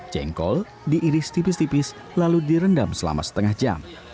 jengkol diiris tipis tipis lalu direndam selama setengah jam